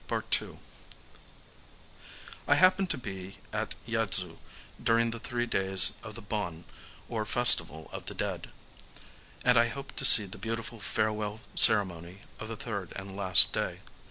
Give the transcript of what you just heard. II I happened to be at Yaidzu during the three days of the Bon or Festival of the Dead; and I hoped to see the beautiful farewell ceremony of the third and last day.